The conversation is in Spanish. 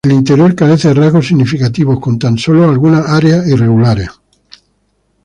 El interior carece de rasgos significativos, con tan solo algunas áreas irregulares.